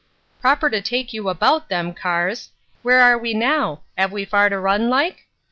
"Proper to take you about, them cars. W'ere are we now? 'Ave we far to run, like?"